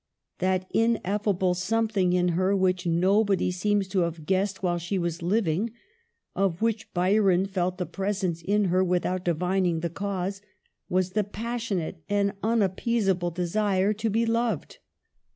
That ineffable something in her which nobody seems to have guessed while she was liv ing, of which Byron felt the presence in her with out divining the cause, was the passionate and t junappeasable desire to be loved.